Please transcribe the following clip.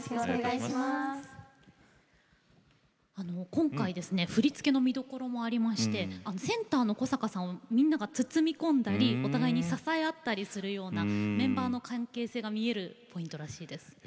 今回、振り付けの見どころもありましてセンターの小坂さんをみんなが包み込んだりお互いに支え合ったりするようなメンバーの関係性が見えるようなところがポイントらしいです。